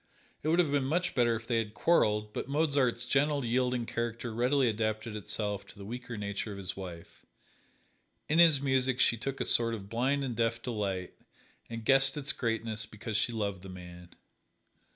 It would have been much better if they had quarreled, but Mozart's gentle, yielding character readily adapted itself to the weaker nature of his wife. In his music she took a sort of blind and deaf delight and guessed its greatness because she loved the man.